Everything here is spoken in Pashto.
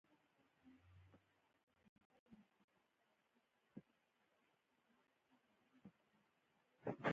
فینول فتالین په القلي محیط کې کوم رنګ اختیاروي؟